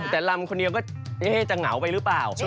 แต่ลำคนเดียวก็จะเหงาไปหรือเปล่า